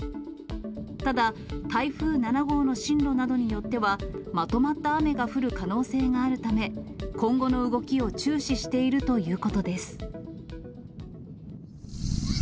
ただ、台風７号の進路などによっては、まとまった雨が降る可能性があるため、今後の動きを注視しているということです。